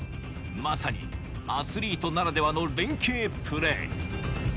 まさにアスリートならではの連係プレー